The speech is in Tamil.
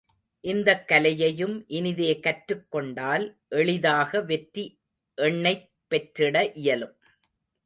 இந்தக் கலையையும், இனிதே கற்றுக் கொண்டால், எளிதாக வெற்றி எண்ணைப் பெற்றிட இயலும்.